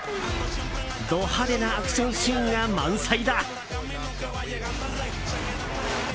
ド派手なアクションシーンが満載だ。